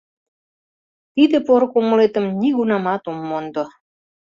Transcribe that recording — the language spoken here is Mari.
Тиде поро кумылетым нигунамат ом мондо.